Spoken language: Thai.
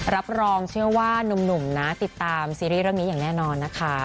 รับรองเชื่อว่านุ่มนะติดตามซีรีส์เรื่องนี้อย่างแน่นอนนะคะ